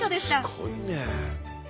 すごいね。